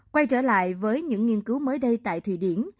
quay trở lại với những nghiên cứu mới đây tại thụy điển